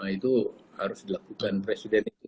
itu harus dilakukan presiden itu